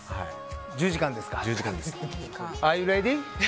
１０時間ですか。